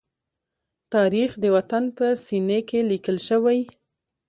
تاریخ د وطن په سینې کې لیکل شوی.